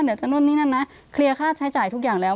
จะนู่นนี่นั่นนะเคลียร์ค่าใช้จ่ายทุกอย่างแล้ว